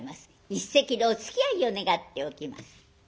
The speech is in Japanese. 一席のおつきあいを願っておきます。